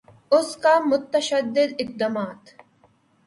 اس کا متشدد اقدامات